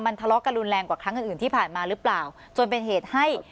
ทะเลาะกันรุนแรงกว่าครั้งอื่นที่ผ่านมาหรือเปล่าจนเป็นเหตุให้